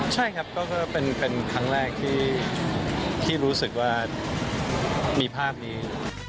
ใช่ครับก็เป็นครั้งแรกที่รู้สึกว่ามีภาพนี้